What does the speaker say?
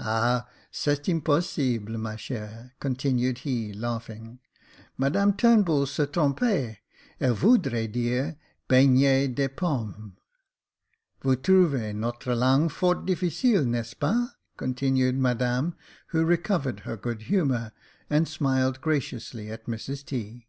"Ah, c'est impossible, ma chere," continued he, laughing. "Ma dame Turnbull se trompait ; elle voudrait dire Beignets de " Vous trouvez notre langue fort difficile, n'est ce pas?" continued Madame, who recovered her good humour, and smiled graciously at Mrs T.